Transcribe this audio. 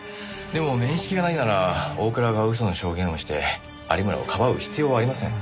でも面識がないなら大倉が嘘の証言をして有村をかばう必要はありません。